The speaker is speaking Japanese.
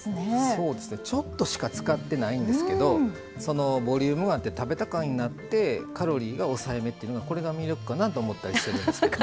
そうですねちょっとしか使ってないんですけどボリュームがあって食べた感になってカロリーが抑えめっていうのがこれが魅力かなと思ったりしてるんですけど。